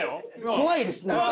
怖いですね。